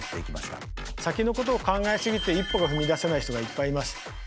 先のことを考えすぎて一歩が踏み出せない人がいっぱいいます。